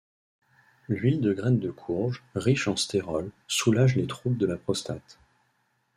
L'huile de graine de courge, riche en stérols, soulage les troubles de la prostate.